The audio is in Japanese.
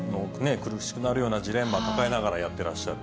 苦しくなるようなジレンマ抱えながらやってらっしゃる。